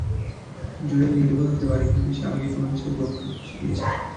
জুয়েল নির্বোধ হতে পারে, কিন্তু সে আমাকে কোনকিছু উপভোগ করতে শিখিয়েছে।